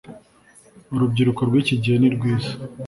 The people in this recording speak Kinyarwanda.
urubyiruko rwiki gihe ni rwiza